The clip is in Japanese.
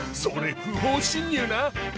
それ不法侵入な。